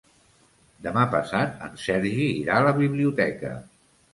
Demà passat en Sergi irà a la biblioteca.